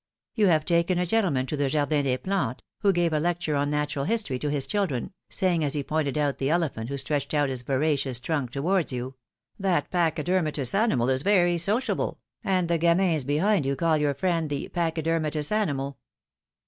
You have taken a gentleman to the Jardin des Plantes, who gave a lecture on natural history to his children, saying as he pointed out the elephant who stretched out his voracious trunk towards you: ^^That pachydermatous animal is very sociable,^^ and the gamins behind you call your friend the pachydermatous animal.